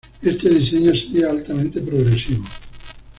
Este diseño sería altamente progresivo.